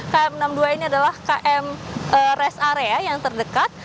km enam puluh dua ini adalah km rest area yang terdekat